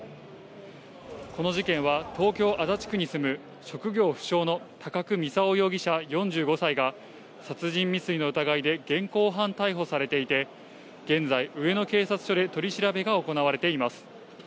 この事件は、東京・足立区に住む職業不詳の高久操容疑者４５歳が、殺人未遂の疑いで現行犯逮捕されていて、現在、上野警察署で取り調べが行われています。